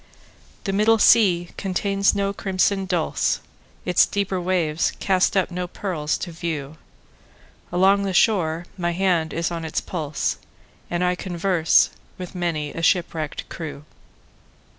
The middle sea contains no crimson dulse, Its deeper waves cast up no pearls to view; Along the shore my hand is on its pulse, And I converse with many a shipwrecked crew.